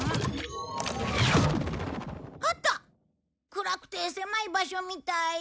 暗くて狭い場所みたい。